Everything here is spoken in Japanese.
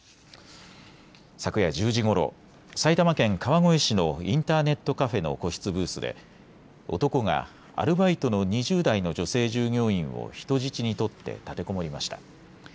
昨夜１０時ごろ、埼玉県川越市のインターネットカフェの個室ブースで男がアルバイトの２０代の女性従業員を人質に取って立てこもりました。